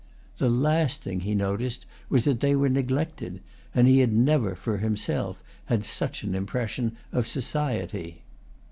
The last thing he noticed was that they were neglected, and he had never, for himself, had such an impression of society.